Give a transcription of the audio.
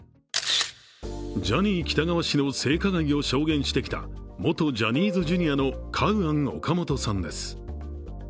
ジャニー喜多川氏の性加害を証言してきた元ジャニーズＪｒ．のカウアン・オカモトさんです。